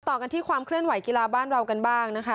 ต่อกันที่ความเคลื่อนไหวกีฬาบ้านเรากันบ้างนะคะ